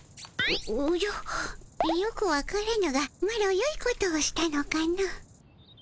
おじゃよくわからぬがマロよいことをしたのかの？